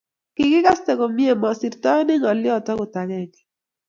kikikaste komiei masirtaenech ngolyoo akot akenge